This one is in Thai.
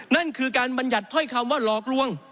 นั่นคือการบรรยัติถ้อยคำว่าหลอกลวง